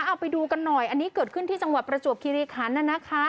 เอาไปดูกันหน่อยอันนี้เกิดขึ้นที่จังหวัดประจวบคิริคันน่ะนะคะ